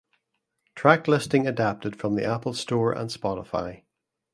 Track listing adapted from the Apple Store and Spotify.